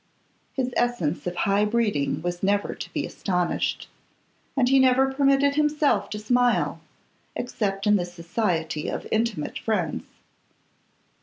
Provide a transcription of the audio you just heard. His essence of high breeding was never to be astonished, and he never permitted himself to smile, except in the society of intimate friends.